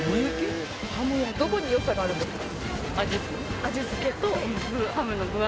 どこに良さがあるんですか？